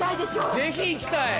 ぜひ行きたい！